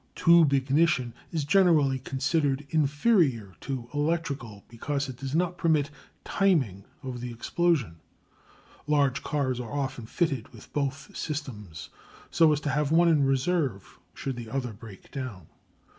Tube ignition is generally considered inferior to electrical because it does not permit "timing" of the explosion. Large cars are often fitted with both systems, so as to have one in reserve should the other break down.